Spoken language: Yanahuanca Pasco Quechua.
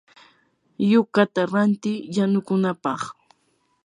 yukata ranti yanukunapaq.